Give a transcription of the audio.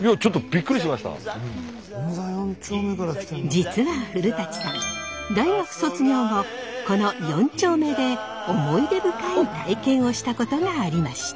実は古さん大学卒業後この四丁目で思い出深い体験をしたことがありました。